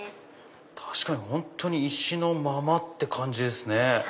確かに本当に石のままって感じですね。